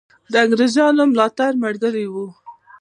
د انګرېزانو ملاتړ ملګری وو.